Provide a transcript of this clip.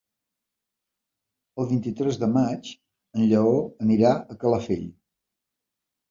El vint-i-tres de maig en Lleó anirà a Calafell.